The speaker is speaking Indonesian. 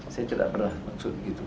saya tidak pernah maksud begitu